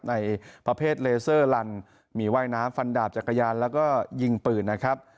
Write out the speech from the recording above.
ในประเภทเลเซอร์ลันมีว่ายน้ำฟันดาบจักรยานแล้วก็ยิงปืนนะครับ